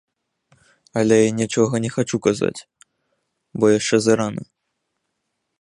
Але я нічога не хачу казаць, бо яшчэ зарана.